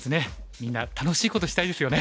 みんな楽しいことしたいですよね。